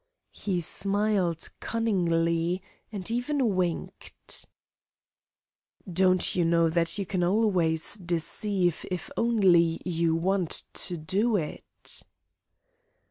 He smiled cunningly, and even winked. "Don't you know that you can always deceive if only you want to do it?"